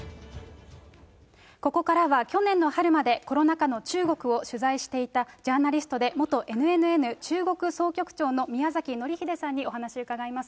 ここからは、去年の春までコロナ禍の中国を取材していたジャーナリストで元ＮＮＮ中国総局長の宮崎紀秀さんにお話伺います。